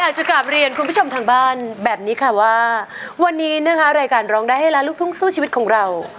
อยากจะกลับเรียนคุณผู้ชมทางบ้านแบบนี้ค่ะว่าวันนี้นะคะรายการร้องได้ให้ล้านลูกทุ่งสู้ชีวิตของเรา